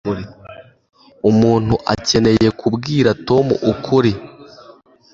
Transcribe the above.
umuntu akeneye kubwira tom ukuri